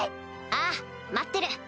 ああ待ってる。